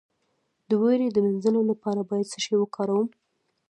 د ویرې د مینځلو لپاره باید څه شی وکاروم؟